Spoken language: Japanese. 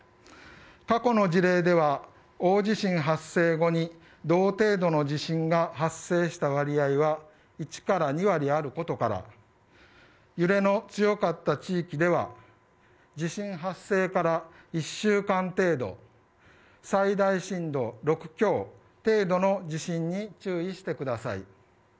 過去の事例では大地震発生後に同程度の地震が発生した割合は１から２割あることから揺れの強かった地域では地震発生から１週間程度最大震度６強程度の地震に注意してください。